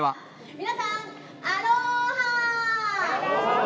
皆さん、アローハー！